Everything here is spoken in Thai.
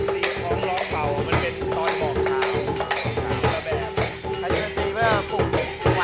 อตขอโชว์